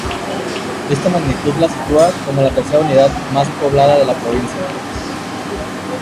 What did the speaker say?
Esta magnitud la sitúa como la tercera unidad más poblada de la provincia.